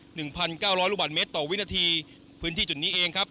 หนึ่งพันเก้าร้อยลูกบาทเมตรต่อวินาทีพื้นที่จุดนี้เองครับ